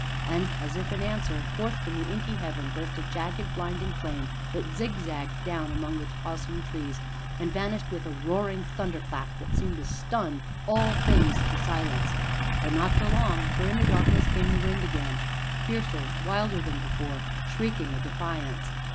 And, as if in answer, forth from the inky heaven burst a jagged, blinding flame, that zigzagged down among the tossing trees, and vanished with a roaring thunder clap that seemed to stun all things to silence. But not for long, for in the darkness came the wind again fiercer, wilder than before, shrieking a defiance.